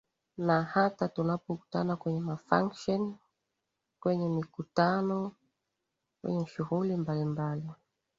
naa hata tunapokutana kwenye mafunction kwenye mikutano kwenye shughuli mbali mbali